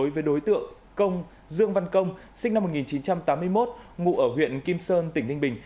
với đối tượng công dương văn công sinh năm một nghìn chín trăm tám mươi một ngụ ở huyện kim sơn tỉnh ninh bình